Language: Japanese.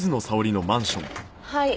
はい。